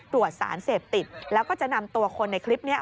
ตรวจสารเสพติดแล้วก็จะนำตัวคนในคลิปนี้